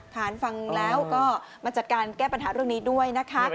ค้านฟังแล้วก็มาจัดการแก้ปัญหาเรื่องนี้ด้วยนะคะ